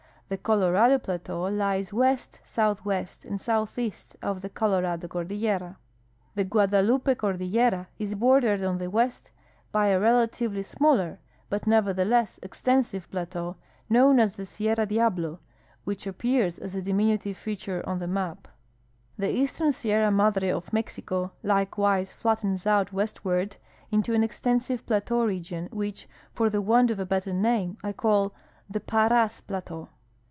The Colorado plateau lies w'est, southw'est, and southea.st of the Colorado cor dillera. The Guadalupe cordillera is bordered on the west by a relatively smaller, but nevertheless extensive, plateau, known as the Sierra Diablo, which appears as a diminutive feature on the map. The eastern Sierra Madre of Mexico likewise flattens out westward into an extensive plateau region, which, for the want of a better name, I call the Parras plateau.